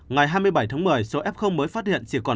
ngày hai mươi bảy tháng một mươi số f mới phát hiện chỉ còn